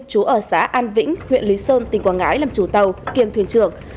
chú ở xã an vĩnh huyện lý sơn tỉnh quảng ngãi làm chủ tàu kiêm thuyền trưởng